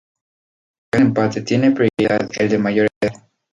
En caso de empate, tiene prioridad el de mayor edad.